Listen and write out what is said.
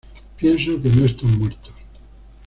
Pienso que no están muertos.